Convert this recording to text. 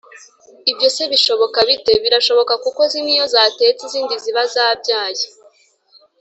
ibyo se bishoboka bite’ birashoboka kuko zimwe iyo zatetse izindi ziba zabyaye